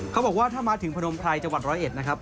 เขาบอกว่าถ้ามาถึงพนมไพรจังหวัดร้อยเอ็ดนะครับ